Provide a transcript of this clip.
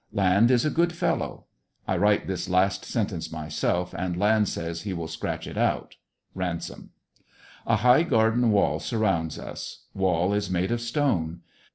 Land is a good fellow. (I wrote this last sentence myself, and Land says he will scratch it out. — Ransom). A high garden wall sur rounds us Wall is made of stone.